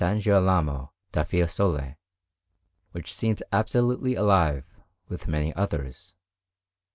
Girolamo da Fiesole, which seems absolutely alive, with many others.